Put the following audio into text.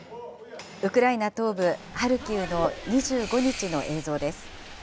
ウクライナ東部ハルキウの２５日の映像です。